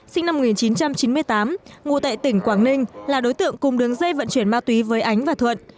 sinh năm một nghìn chín trăm chín mươi tám ngụ tại tỉnh quảng ninh là đối tượng cùng đường dây vận chuyển ma túy với ánh và thuận